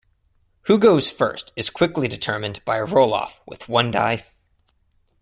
Who goes first is quickly determined by a roll-off with one die.